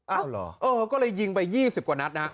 เหรอเออก็เลยยิงไป๒๐กว่านัดนะ